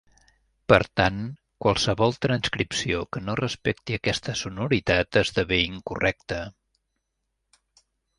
Per tant, qualsevol transcripció que no respecti aquesta sonoritat esdevé incorrecta.